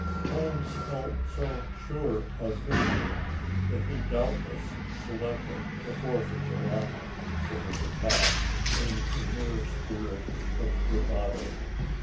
Holmes felt so sure of victory that he doubtless selected the 4th of July for his attack in a mere spirit of bravado.